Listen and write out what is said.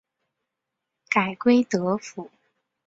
改归德府。